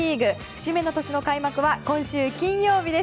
節目の年の開幕は今週金曜日です。